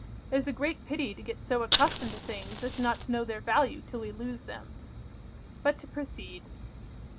It is a great pity to get so accustomed to things as not to know their value till we lose them! But to proceed.